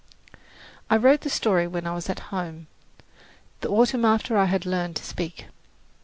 I wrote the story when I was at home, the autumn after I had learned to speak.